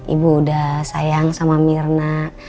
ibu udah sayang sama mirna